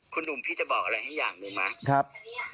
คุณหนุ่มพี่จะบอกอะไรให้อย่างหนึ่งมั้ย